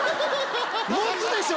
持つでしょ！